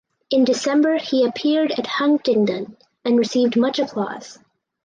In December he appeared at Huntingdon and received much applause.